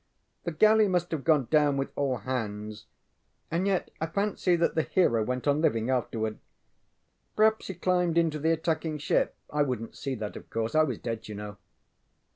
ŌĆ£The galley must have gone down with all hands and yet I fancy that the hero went on living afterward. Perhaps he climbed into the attacking ship. I wouldnŌĆÖt see that, of course. I was dead, you know.